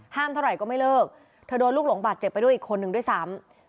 เท่าไหร่ก็ไม่เลิกเธอโดนลูกหลงบาดเจ็บไปด้วยอีกคนนึงด้วยซ้ำ